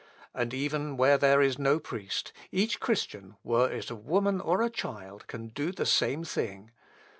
And even where there is no priest, each Christian, were it a woman or a child, can do the same thing.